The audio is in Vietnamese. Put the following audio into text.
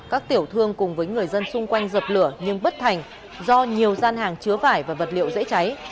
các tiểu thương cùng với người dân xung quanh dập lửa nhưng bất thành do nhiều gian hàng chứa vải và vật liệu dễ cháy